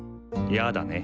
やだね。